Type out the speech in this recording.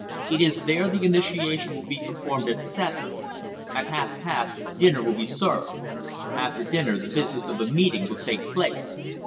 "It is there the initiation will be performed at seven. At half past, dinner will be served. After dinner, the business of the meeting will take place.